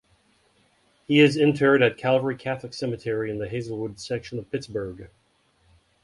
He is interred at Calvary Catholic Cemetery in the Hazelwood section of Pittsburgh.